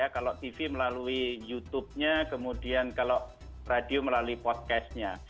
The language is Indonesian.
kalau tv melalui youtube nya kemudian kalau radio melalui podcast nya